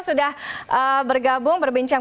sudah bergabung berbincang